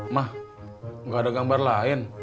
mah gak ada gambar lain